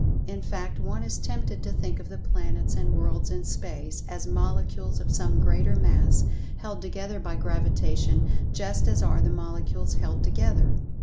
In fact, one is tempted to think of the planets and worlds in space, as Molecules of some greater Mass held together by Gravitation just as are the Molecules held together.